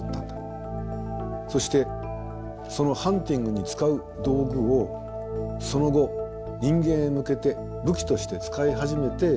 そしてそのハンティングに使う道具をその後人間へ向けて武器として使い始めて戦争を始めた。